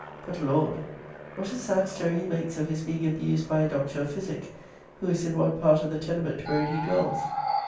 But, Lord! what a sad story he makes of his being abused by a Dr. of Physique who is in one part of the tenement wherein he dwells.